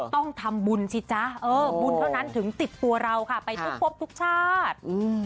ต้องทำบุญสิจ๊ะบุญเท่านั้นถึงติดตัวเราค่ะไปทุกครบทุกชาติ